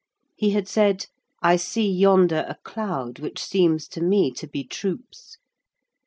He had said, "I see yonder a cloud, which seems to me to be troops."